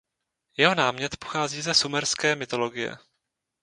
Jeho námět pochází ze sumerské mytologie.